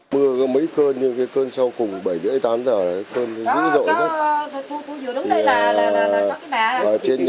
mưa có mấy cơn như cơn sau cùng bảy tám giờ cơn dữ dội lắm